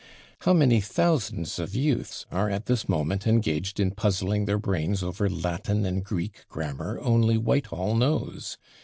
How many thousands of youths are at this moment engaged in puzzling their brains over Latin and Greek grammar only Whitehall knows.